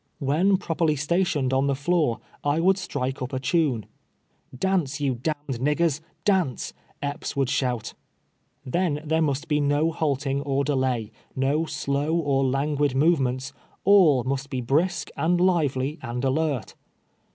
When properly stationed on the floor, I would strike up a tune. " Dance, you d — d niggers, dance," Ep]Ds would shout. Then there must be no halting or delay, no slow or languid movements ; all must be brisk, and lively, and alert.